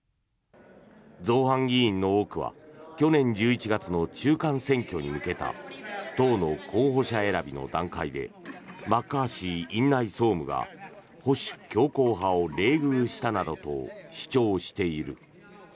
造反議員の多くは去年１１月の中間選挙に向けた党の候補者選びの段階でマッカーシー院内総務が保守強硬派を冷遇したなどと主張している。